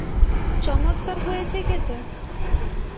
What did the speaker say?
চমৎকার হয়েছে খেতে!